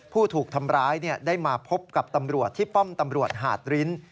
ผู้ถูกทำร้ายได้มาพบกับตำรวจที่ป้อมตำรวจหาดริ้น